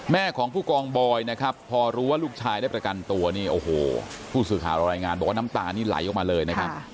แม่ของผู้กองบอยนะครับพอรู้ว่าลูกชายได้ประกันตัวนี่โอ้โหผู้สื่อข่าวเรารายงานบอกว่าน้ำตานี่ไหลออกมาเลยนะครับ